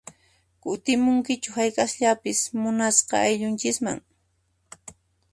Kutimunkichu hayk'aqllapis munasqa ayllunchisman?